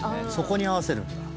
そこに合わせるんだ。